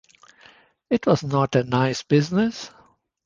It was not a nice business.